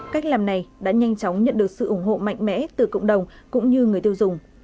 cách làm này đã nhanh chóng nhận được sự ủng hộ mạnh mẽ từ cộng đồng cũng như người tiêu dùng